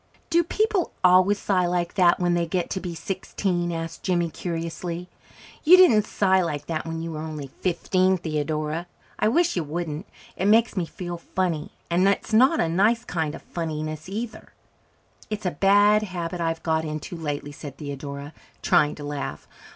"Do people always sigh like that when they get to be sixteen?" asked Jimmy curiously. "You didn't sigh like that when you were only fifteen, Theodora. I wish you wouldn't. It makes me feel funny and it's not a nice kind of funniness either." "It's a bad habit I've got into lately," said Theodora, trying to laugh.